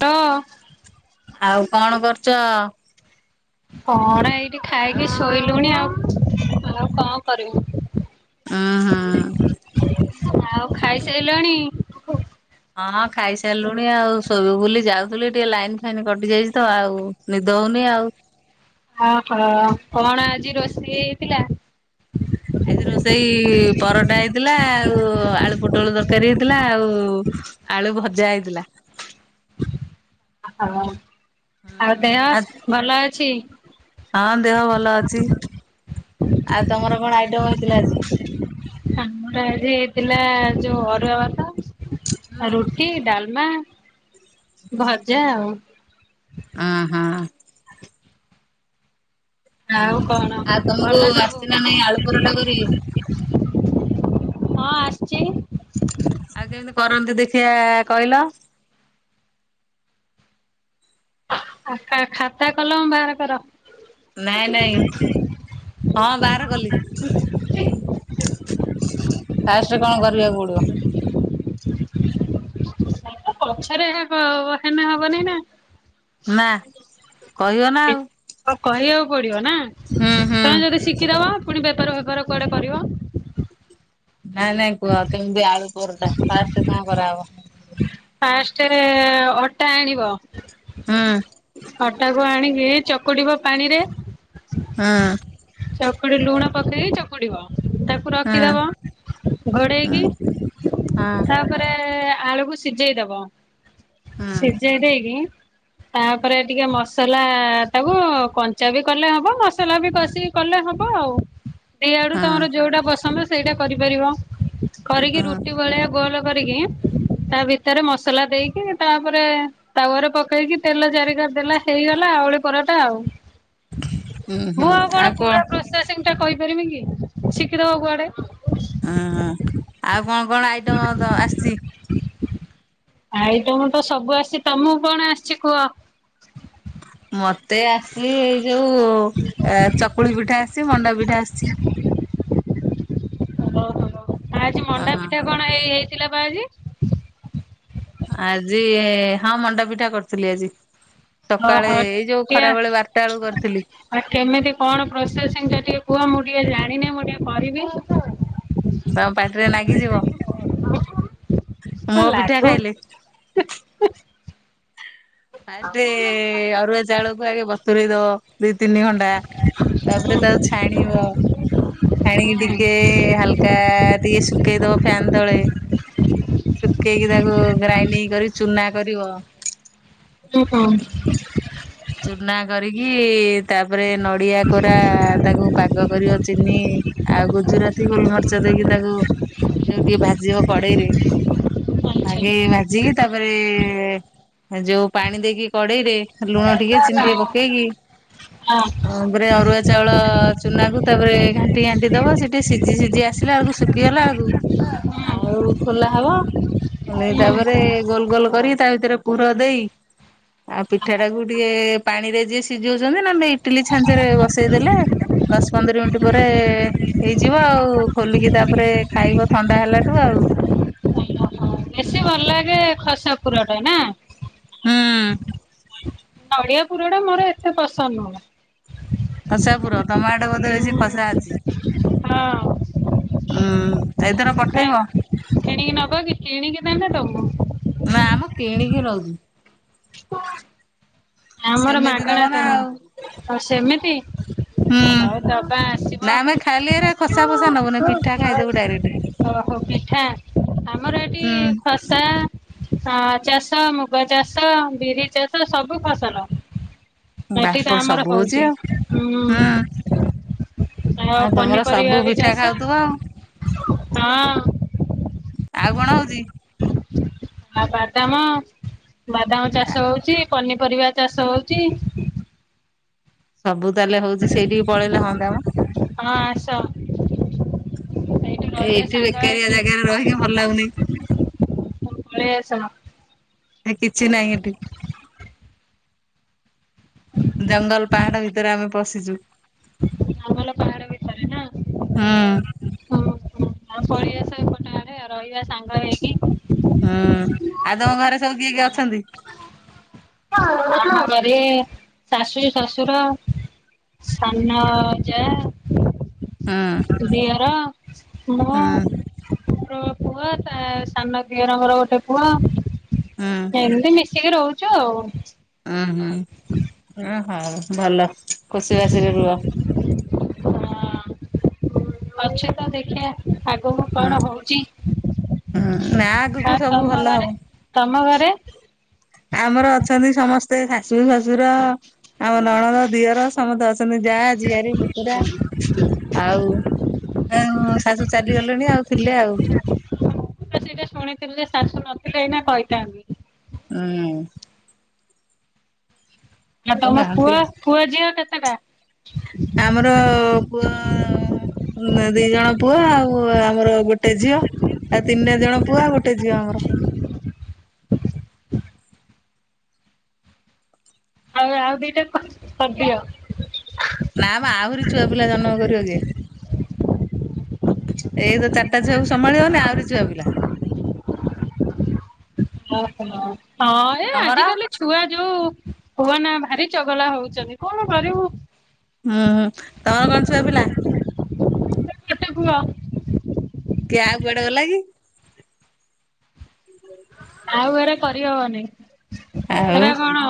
ତ ଆଉ କଣ କରୁଚ? କଣ ଏଇଠି ଖାଇକି ଶୋଇଲୁଣି ଆଉ। ଆଉ କଁ କରିମୁ। ଅହଁ। ଆଉ ଖାଇସାଇଲଣି। ହଁଁ ଖାଇସାରିଲୁଣି ଆଉ ଶୋଇବୁ ବୁଲି ଯାଉଥିଲୁ ଟିକେ ଲାଇନ ଫାଇନ୍ କଟି ଯାଇଛି ତ ଆଉ ନିଦ ହୋଉନି ଆଉ। ଅଃ କଣ ଆଜି ରୋଷେଇ ହେଇଥିଲା? ଆଜି ରୋ ଷେଇ ପରଟା ହେଇଥିଲା ଆଉ ଆଳୁ ପୋଟଳ ତରକାରୀ ହେଇଥିଲା ଆଉ ଆଳୁ ଭଜା ହେଇଥିଲା। ହଁ ଆଉ ଦେହ ଭଲ ଅଛି? ହଁ ଦେହ ଭଲ ଅଛି ଆଉ ତମର କଣ ଆଇଟମ ହେଇଥିଲା ଆଜି? ଆମର ଆଜି ହେଇଥିଲା ଯୋଉ ଅରୁଆ ଭାତ ଆଉ ରୁ ଟି ଡାଲମା ଭଜା ଆଉ। ଅହଁ। ଆଉ ହୁଁ କଣ ଆଉ ଭଲ ତମୁକୁ ସବୁ? ଆସିଚି ନା ନାହିଁ ଆଳୁ ପରଟା କରି। ହଁ ଆସିଚି। ଆଉ କେମିତି କରନ୍ତି ଦେଖିଆ କହିଲ। ଖାତା ଖାତା କଲମ ବାହାର କର। ନାଇଁ ନାଇଁ ହଁ ବାହାର କଲି। ଫାଷ୍ଟେ କଣ କରିବାକୁ ପଡ଼ିବ। ପଛରେ [unintelligible] ହେନେ ହବ ନେଇ ନା। ନା କହିବ ନା ଆଉ। ଓ କହିବାକୁ ପଡିବ ନା। ହୁଁ ହୁଁ। ତମେ ଯଦି ଶିକିଦବ ପୁଣି ବେପାର ଫେପାର କୁଆଡେ କରିବ। ନାଇଁ ନାଇଁ କୁହ କେମିତି ଆଳୁ ପରଟା ଫାଷ୍ଟେ କଣ କରାହବ। ଫାଷ୍ଟେରେ ଅଟା ଆଣିବ। ହୁଁ ଅଟାକୁ ଆଣିକି ଚକୁଡିବ ପାଣିରେ। ହୁଁ। ଚକୁଡି ଲୁଣ ପକେଇକି ଚକୁଡିବ ତା କୁ ହୁଁ ରଖିଦବ ହୁଁ ଘୋଡ଼େଇକି ହୁଁ। ତା ପରେ ଆଳୁକୁ ସିଜେଇ ଦେବ ଉୁଁ ସିଜେଇ ଦେଇକି। ତାପରେ ଟିକେ ମସଲାଟାକୁ କଞ୍ଚା ବି କଲେ ହବ ମସଲା ବି କଷିକି କଲେ ହେବ ଆଉ ଦିଆଡୁ ତମର ହୁଁ ଯୋଉଟା ପସନ୍ଦ ସେଇଟା କରିପାରିବ। କରିକି ରୁଟି ଭଳିଆ ଗୋଲ କରିକି ତା ଭିତରେ ମସଲା ଦେଇକି ତାପରେ ତାୱାରେ ପକେଇକି ତେଲ ଚାରି କରେ ଦେଲେ ହେଇଗଲା ଆଳୁ ପରଠା ଆଉ। ମୁଁ ଆଉ କଣ ପୁରା ପ୍ରୋସେସିଙ୍ଗି ଟା କହିପାରିବିକି ଶିଖିଦେବ କୁଆଡେ ଉଁହୁଁ ଆଉ କଣ କଣ ଆଇଟମ [unintelligible] ଆସିଚି। ଆଇଟମ୍ ତ ସବୁ ଆସିଚି ତମୁକୁ କଣ ଆସିଚି କୁହ। ମୋତେ ଆସେ ଏଇ ଯୋଉ ଏ ଚକୁଳି ପିଠା ଆସିଛି ମଣ୍ଡା ପିଠା ଆସିଛି। ଓହୋ ଆଜି ମଣ୍ଡା ପିଠା କଣ ଏଇ ହଁ ହେଇଥିଲା ବା ଆଜି? ଆଜି ହଁ ମଣ୍ଡା ପିଠା କରିଥିଲି ଆଜି। ସକାଳେ ଓହୋ ଏଇ ଯୋଉ କିଆ ଖରାବେଳେ ବାରଟା ବେଳକୁ କରିଥିଲି। ଆଉ କେମିତି କଣ ପ୍ରୋସେସିଂଟା ଟିକେ କୁହ ମୁଁ ଟିକେ ଜାଣିନି ମୁଁ ଟିକେ କରିବି। ତମ ପାଟିରେ ନାଗିଯିବ ହଁ ମୋ ପିଠା ଲାଗୁ ଖାଇଲେ। ଫାଷ୍ଟ ଅରୁଆ ଚାଉଳକୁ ଆଗେ ବତୁରେଇ ଦେବ ଦୁଇ ତିନି ଘଣ୍ଟା। ତାପରେ ହୁଁ ତାକୁ ଛାଣିବ। ଛାଣିକି ଟିକେ ହାଲକା ଟିକେ ଶୁଖେଇଦେବ ଫ୍ୟାନ ତଳେ। ଶୁଖେଇକି ତାକୁ ଗ୍ରାଇଡିଙ୍ଗ କରି ଚୁନା କରିବ। ହୁଁ ହୁଁ। ଚୁନା କରିକି ତାପରେ ନଡିଆ କୋରା ତାକୁ ପାଗ କରିବ ଚିନି ଆଉ ଗୁଜୁରାତି ଗୋଲମରିଚ ଦେଇକି ତାକୁ ଯୋଉ ଟିକେ ଭାଜିବ କଡେଇରେ ଆଗେ ଆଚ୍ଛା ଭାଜିକି ତାପରେ ଯୋଉ ପାଣି ଦେଇକି କଡେଇରେ ଲୁଣ ଟିକେ ଚିନି ଟିକେ ପକେଇକି ହଁ। ତାପରେ ଅରୁଆ ଚାଉଳ ଚୁନାକୁ ତାପରେ ଘାଣ୍ଟି ଘାଣ୍ଟି ଦେବ ସେଠି ସିଝି ସିଝି ଆସିଲା ବେଳକୁ ସୁ ସୁଖିଗଲା ବେଳକୁ ଆଉ ଖୋଲା ହେବ ତାପରେ ଗୋଲ ଗୋଲ କରିକି ତା ଭିତରେ ପୁର ଦେଇ ଆଉ ପିଠା ଟାକୁ ଟିକେ ପାଣିରେ ଯିଏ ସିଝଉଛନ୍ତି ନହେଲେ ଇଟିଲି ଛାଞ୍ଚରେ ବସେଇଦେଲେ ଦଶ ପନ୍ଦର ମିନିଟ ପରେ। ହେଇଯିବ ଆଉ ଖୋଲିକି ତାପରେ ଖାଇବ ଥଣ୍ଡା ହେଲାଠୁ ଆଉ। ବେଶୀ ଭଲ ଲାଗେ ଖସା ପୂରଟା ନା। ହୁଁ। ନଡିଆ ପୁରଟା ମୋର ଏତେ ପସନ୍ଦ ନୁହଁ। ଖସା ପୁର ତମ ଆଡ଼େ ବୋଧ ବେଶି ଖସା ଅଛି? ହଁ ହୁଁ ଏଇଥର ପଠେଇବ କାଇଁ କିଣିକି ନେବ କି କିଣିକି ନେଲେ ଦେବୁ। ନାମ କିଣିକି ନଉଛି। ଆମର ସେମିତି ଦବ ମାଗଣା ନା ଦେବୁ ଆଉ ଆଉ ସେମିତି ହୁଁ। ହଉ ଦେବା ଆସିବ ନା ଆମେ ଖାଲି ଏରା ଖସା ଫସା ନବୁନି ପିଠା ଖାଇଦବୁ ଡାଇରେକ୍ଟ। [unintelligible] ଓହୋ ପିଠା ଆମର ଏଠି ହୁଁ ଖସା ଖସା ଅ ଚାଷ ମୁଗ ଚାଷ ବିରି ଚାଷ ସବୁ ଖ ସଲ ସେଠି ତ ବାପ ଆମର ସବୁ ହଉଛି ହେଉଛି ଆଉ ହୁଁ। ଆଉ ତମର ସବୁ ପନିପରିବା ବି ପିଠା ଚାଷ ଖାଉଥିବ ଆଉ। ହଁ। ଆଉ କଣ ହେଉଛି? ଆଉ ବାଦାମ ବାଦାମ ଚାଷ ହେଉଛି। ପନିପରିବା ଚାଷ ହେଉଛି। ସବୁ ତାହେଲେ ହେଉଛି ସେଇଠିକି ପଳେଇଲେ ହୁଅନ୍ତା ମ। ହଁ ଆସ ଏଇ ଏଇଠି ବେକାରିଆ ଜାଗାରେ ରହିକି ଭଲ ଲାଗୁନି। ହଉ ପଳେଇ ଆସ। ଆ କିଛି ନାହିଁ ଏଠି। ଜଙ୍ଗଲ ପାହାଡ ଭିତରେ ଆମେ ପଶିଛୁ। ଜଙ୍ଗଲ, ପାହାଡ଼ ଭିତରେ ନା। ହୁଁ। ହୁଁ ହୁଁ ଆଉ ପଳେଇ ଆସ ଏପଟେ ଆଡେ ରହିବା ସାଙ୍ଗ ହେଇକି। ହୁଁ ଆଉ ତମ ଘରେ ସବୁ କିଏ କିଏ ଅଛନ୍ତି। ଆମ ଘରେ ଶାଶୁ ଶଶୁର। ସାନ ଜା ହୁଁ ଦିଅର ମୁଁ ହୁଁ ମୋର ପୁଅ ତା ସାନ ଦିଅରଙ୍କର ଗୋଟେ ପୁଅ। ହୁଁ ଏମିତି ମିଶିକି ରହୁଛୁ ଆଉ। ଉଁ ହୁଁ ଓ ହଉ ଭଲ ଖୁସି ବାସିରେ ରୁହ। ହଁ ଅଛି ତ ଦେଖିଆ। ଆଗକୁ ହୁଁ କଣ ହଉଛି ହୁଁ ନା ଆଗକୁ ହ ସବୁ ତମ ଭଲ ହବ। ଘରେ। ତମ ଘରେ। ଆମର ଅଛନ୍ତି ସମସ୍ତେ ଶାଶୁ ଶଶୁର ଆମ ନଣଦ ଦିଅର। ସମସ୍ତେ ଅଛନ୍ତି ଯା ଝିଆରି ପୁତୁରା ଆଉ। ଆଉ ଶାଶୁ ଚାଲିଗଲେଣି ଆଉ ଥିଲେ ଆଉ। ତ ସେଇଟା ଶୁଣିଥିଲୁ ଯେ ଶାଶୁ ନଥିଲେ ଏଇନା କହିଥାନ୍ତି। ଆଁ। ଆଉ ତମ ପୁଅ ପୁଅ ଝିଅ କେତେଟା। ଆମର ପୁଅ ଦି ଜଣ ପୁଅ ଆଉ ଆମର ଗୋଟେ ଝିଅ। ଆଉ ତିନି ଚାରି ଜଣ ପୁଅ ଆଉ ଗୋଟେ ଝିଅ ଆମର। ଆଉ ଆଉ ଦିଟା କରିଦିଅ। ନା ମ ଆହୁରି ଛୁଆ ପିଲା ଜନ୍ମ କରିବ କିଏ। ଏଇ ତ ଚାରିଟା ଛୁଆକୁ ସାମ୍ବାଳି ହଉନି ଆହୁରି ଛୁଆ ପିଲା। ଓ ହଁ ଏ ତମର ଆଜି କାଲି। ଛୁଆ ଯୋଉ କୁହନା ଭାରି ଚଗଲା ହଉଛନ୍ତି କଣ କରିବୁ। ହୁଁ ହୁଁ ତମର କଣ ଛୁଆ ପିଲା। ଗୋଟେ ପୁଅ। କି ଆଉ କୁଆଡେ ଗଲା କି। ଆଉ ହେରା କରିହବନି ଆଉ ହେରା କଣ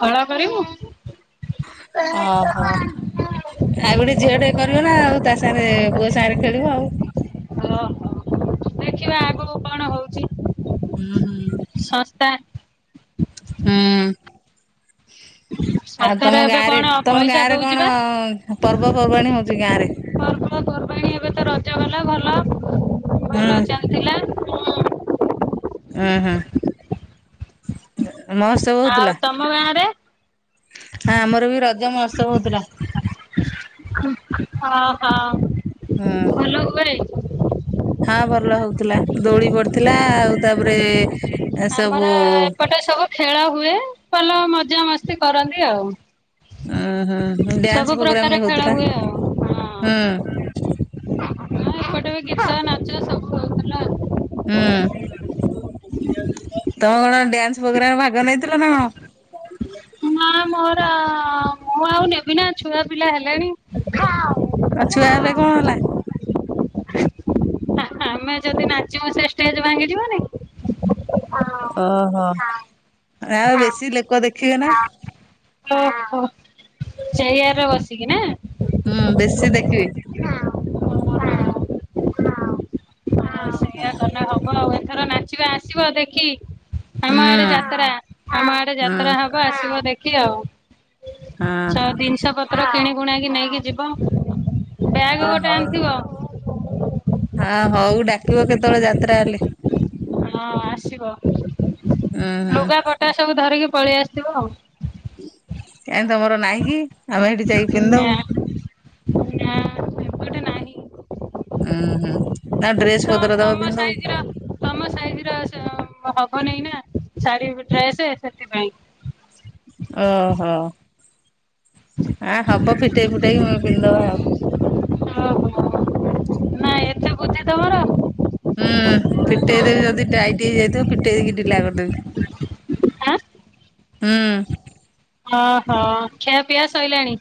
ହଳ କରିବୁ। ଅ ହ। ଆଉ ଗୋଟେ ଝିଅ ଟେ କରିବ ନା ଆଉ ତା ସାଙ୍ଗରେ ପୁଅ ସାଙ୍ଗରେ ଖେଳିବ ଆଉ। ଓହୋ ଦେଖିବା ଆଗକୁ କଣ ହଉଛି। ହୁଁ ହୁଁ। ଶସ୍ତା ହୁଁ। ଆଉ ସରକାର ତମ ଏବେ ଗାଁରେ କଣ ତମ ପଇସା ଗାଁରେ ଦଉଛି କଣ ବା ପର୍ବପର୍ବାଣୀ ହଉଛି ଗାଁରେ। ପର୍ବପର୍ବାଣି ଏବେ ତ ରଜ ଗଲା ଭଲ ହୁଁ ଭଲ ଚାଲିଥିଲା। ଅ ହଁ। ମହଉର୍ଶବ ଆଉ ହଉଥିଲା ତମ ଗାଁ ରେ ଆମର ବି ର ରଜ ମହୋତ୍ସବ ହଉଥିଲା। ହ ହ। ହୁଁ। ହାଲୋ କୁଆଡେ? ହଁ ଭଲ ହଉଥିଲା ଦୋଳି ପଡିଥିଲା ଆଉ ତାପରେ ଆମର ସବୁ ଏପଟେ ସବୁ ଖେଳ ହୁଏ ଭଲ ମଜା ମସ୍ତି କରନ୍ତି ଆଉ। ଓହୋ ସବୁ ଡ୍ୟାନ୍ସ ପ୍ରୋଗ୍ରାମ ପ୍ରକାର ବି ଖେଳ ହଉଥିଲା ହୁଏ ଆଉ ହୁଁ। ହ ଏପଟେ ବି ଗୀତ ନାଚ ସବୁ ହୋଉଥିଲା। ହୁଁ ତମେ କଣ ଡ୍ୟାନ୍ସ ପ୍ରୋଗ୍ରାମ ଭାଗ ନେଇଥିଲ ନା କଣ? ନା ମ ଏରା ମୁଁ ଆଉ ନେବି ନା ଛୁଆ ପିଲା ହେଲେଣି। ଆ ଛୁଆହେଲେ କଣ ହେଲା? ଆମେ ଯଦି ନାଚିବୁ ସେ ଷ୍ଟେଜ ଭାଙ୍ଗି ଯିବନି। ଓହୋ ଆଉ ବେଶୀ ଲୋକ ଦେଖ ହଁ ଓହୋ ଚେୟାରରେ ବସିକି ନା। ହୁଁ ବେଶୀ ଦେଖିବେ। ହଁ ହ। ହଁ ହୁଁ ହୁଁ ସେଇଆ କଲେ ହବ ଆଉ ଏଥର ନାଚିବା ଆସିବ ଦେଖି। ଆମ ଆଡେ ହଁ ଯାତ୍ରା ଆମ ଆଡେ ଯାତ୍ରା ହବ ଆସିବ ଦେଖି ଆଉ। ତ ଜିନିଷ ପତ୍ର କିଣିକୁଣାକି ନେଇକିଯିବ। ବ୍ୟାଗ ଅ ଗୋଟେ ହଉ। ଆଣିଥିବ। ହଁ ହଉ ଡାକିବ କେତେବେଳେ ଯାତ୍ରା ହେଲେ। ହଁ ଆସିବ ଉୁଁ ହୁଁ ଲୁଗାପଟା ସବୁ ଧରିକି ପଳେଇ ଆସଥିବ ଆଉ। କାହିଁ ତମର ନାହିଁ କି? ଆମେ ସେଠି ଯାଇକି ପିନ୍ଧିଦବୁ ନା ନା ଏପଟେ ନାହିଁ। ହୁଁ ହୁଁ ନା ଡ୍ରେସ୍ ତ ପତ୍ର ଦବ ତମ ପିନ୍ଧିଦବୁ। ସାଇଜ ର ତମ ସାଇଜରସ ହବନାଇଁ ନା ଶାଢୀ ଡ୍ରେସ ସେଥିପାଇଁ। ଓହୋ। ହଁ ହବ ଫିଟେଇ ଫୁଟାଇକି ପିନ୍ଧିଦବା ଆଉ। ନା [unintelligible] ତମର? ହୁଁ ଫିଟେଇଦେବି ଯଦି ଟାଇଟ୍ ହେଇଯାଇଥିବ ଫିଟେଇ ଦେଇକି ଢ଼ିଲା କରିଦେବି। ଆଁ ହୁଁ। ଓହୋ ଖିଆପିଆ ସଇଲାଣି?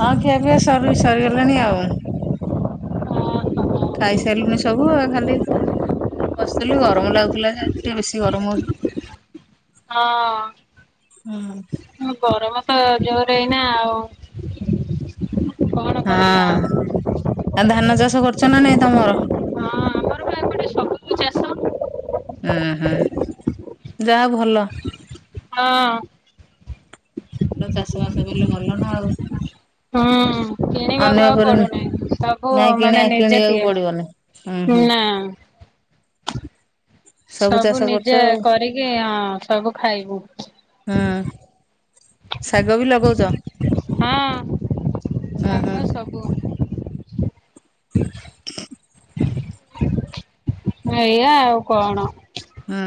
ହଁ ଖିଆ ପିଆ ସରି ସରିଗଲାଣି ଆଉ। ହଁ ଖାଇସାରିଲୁଣି ସବୁ ଆ ଖାଲି ବସିଥିଲୁ ଗରମ ଲାଗୁଥିଲା ଆଜି ଟିକେ ବେଶୀ ଗରମ ହଉ ହଁ। ହଁ ଗରମ ତ ଜୋରରେ ଏଇନା ଆଉ କଣ କରିବା ହଁ। ଆଉ। ଆଉ ଧାନ ଚାଷ କରୁଛ ନା ନାଇଁ ତମର? ହଁ ଆମର ବା ଏପଟେ ସବୁ ଚାଷ ଆଁ ହଁ। ଯାହାହୋଉ ଭଲ। ହଁ। ଭଲ ଚାଷ ବାସ କଲେ ଭଲ ନା ଆଉ। ହୁଁ। ଅନ୍ୟ କିଣିବାକୁ ଆଉ ଉପରେ ପଡୁନି ସବୁ ନାଇଁ କିଣା ମାନେ ନିଜେ କିଣିବାକୁ ତିଆରି ପଡିବନି। ହୁଁ ହୁଁ ନା। ଚାଷ ସବୁ କରୁଛ ନିଜେ ଆଉ କରିକି ହଁ ସବୁ ଖାଇବୁ। ହଁ। ଶାଗ ବି ଲଗୋଉଛ? ଉଁ ହୁଁ। ଶାଗ ହଁ। [inaudible] ଏଇଆ ଆଉ କଣ? ଉଁ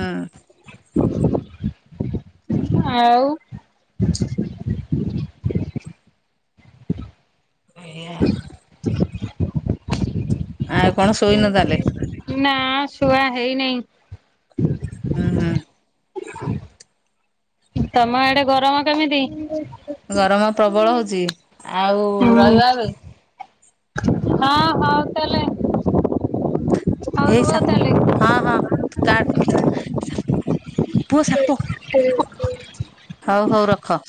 ଆଉ? ଏଇଆ ଆଉ। ଆଉ କଣ ଶୋଇନ ତାହେଲେ? ନାଁ ଶୁଆ ହେଇନେଇଁ। ହୁଁ ହୁଁ। ତମ ଆଡ଼େ ଗରମ କେମିତି? ଗରମ ପ୍ରବଳ ହଉଚି ଆଉ ରହିବା ବି ହଁ ହଉ ତାହଲେ। ହେଇ ସାପ, ହଁ ହଁ [unintelligible] ପୁଅ ସାପ, ହଉ ହଉ ରଖ।